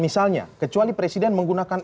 misalnya kecuali presiden menggunakan